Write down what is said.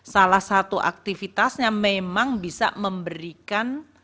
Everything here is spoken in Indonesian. salah satu aktivitasnya memang bisa memberikan